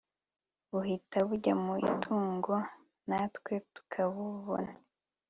buhita bujya mu itungo natwe tukabubona